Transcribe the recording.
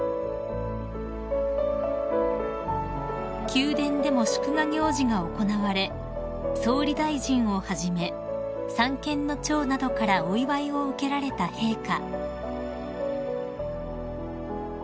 ［宮殿でも祝賀行事が行われ総理大臣をはじめ三権の長などからお祝いを受けられた陛下］